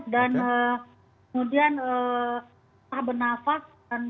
dan kemudian tak bernafas